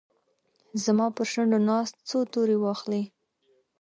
زما پرشونډو ناست، څو توري واخلې